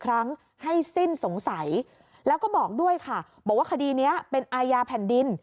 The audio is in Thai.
แล้วก็บอกด้วยค่ะบอกว่าคดีนี้เป็นอายาแผ่นดิน